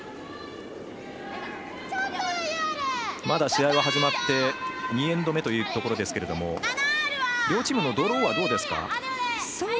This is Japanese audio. まだ試合は始まって第２エンド目というところですが両チームのドローはどうですか？